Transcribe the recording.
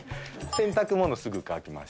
洗濯物すぐ乾きますし。